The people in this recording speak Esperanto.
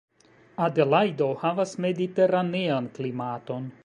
Adelajdo havas mediteranean klimaton.